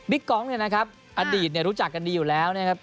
กองเนี่ยนะครับอดีตเนี่ยรู้จักกันดีอยู่แล้วนะครับ